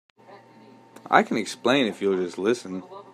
I can explain if you'll just listen.